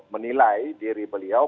menilai diri beliau